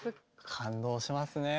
感動しますね。